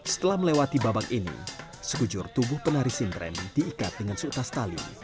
setelah melewati babak ini sekujur tubuh penari sindren diikat dengan seutas tali